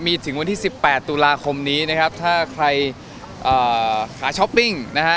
มีถึงวันที่๑๘ตุลาคมนี้นะครับถ้าใครหาช้อปปิ้งนะฮะ